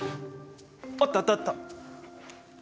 あったあったあった。